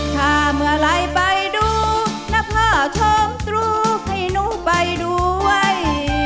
ถ้าเมื่อไหร่ไปดูนะพ่อท้องตรูให้หนูไปด้วย